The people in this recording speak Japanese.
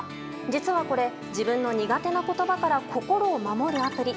実はこれ、自分の苦手な言葉から心を守るアプリ。